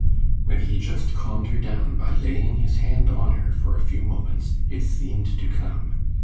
When he just calmed her down by laying his hand on her a few moments, it seemed to come.